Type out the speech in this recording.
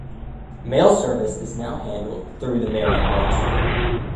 Mail service is now handled through the Marion branch.